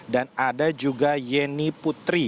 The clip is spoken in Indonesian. dan ada juga yeni putri